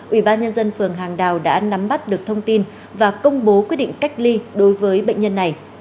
ủy ban nhân dân phường hàng đào đã nắm bắt được thông tin và công bố quyết định cách ly đối với bệnh nhân này